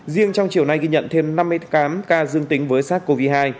riêng trong chiều nay ghi nhận thêm năm mươi tám ca dương tính với sars cov hai